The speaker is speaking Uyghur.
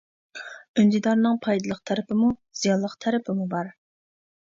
ئۈندىدارنىڭ پايدىلىق تەرىپىمۇ زىيانلىق تەرىپىمۇ بار.